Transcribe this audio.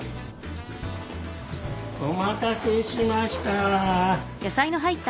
お待たせしました。